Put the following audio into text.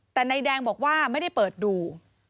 แต่นายแดงบอกว่าไม่ได้เปิดดู